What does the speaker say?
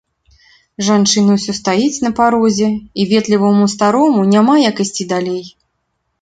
Жанчына ўсё стаіць на парозе, і ветліваму старому няма як ісці далей.